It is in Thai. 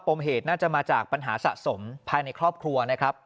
มเหตุน่าจะมาจากปัญหาสะสมภายในครอบครัวนะครับ